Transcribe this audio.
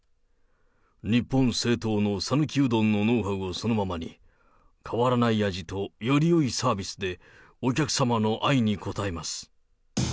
日本正統の讃岐うどんのノウハウをそのままに、変わらない味とよりよいサービスで、お客様の愛に応えます。